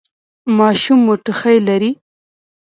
ماشوم مو ټوخی لري؟